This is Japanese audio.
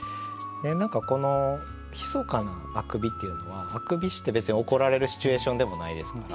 何かこの「ひそかな欠伸」っていうのはあくびして別に怒られるシチュエーションでもないですから。